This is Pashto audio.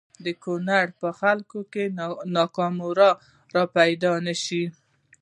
د کونړ په خلکو کې ناکراری را پیدا نه شي.